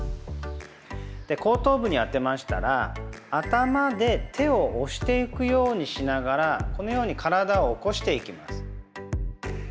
後頭部に当てましたら、頭で手を押していくようにしながらこのように体を起こしていきます。